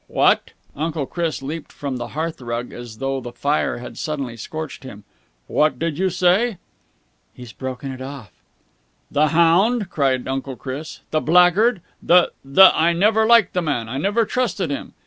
"What!" Uncle Chris leaped from the hearth rug, as though the fire had suddenly scorched him. "What did you say?" "He's broken it off." "The hound!" cried Uncle Chris. "The blackguard! The the I never liked that man! I never trusted him!"